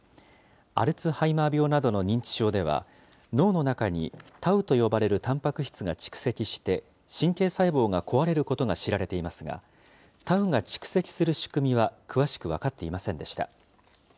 アルツハイマー病などの認知症では、脳の中にタウと呼ばれるたんぱく質が蓄積して、神経細胞が壊れることが知られていますが、タウが蓄積する仕組みは、詳しく分かっていませんでした。